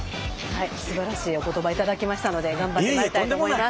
はいすばらしいお言葉頂きましたので頑張ってまいりたいと思います。